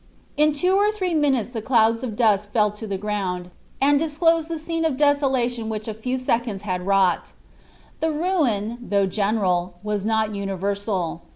In two or three minutes the clouds of dust fell to the ground, and disclosed the scene of desolation which a few seconds had wrought. The ruin, though general, was not universal.